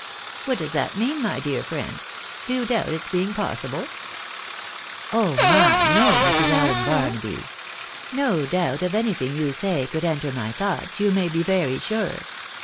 " What does that mean, my dear friend ? Do you doubt its being possible ?"" Oh my ! no, Mrs. Allen Barnaby. No doubt of anything you say could enter my thoughts, you may be very sure.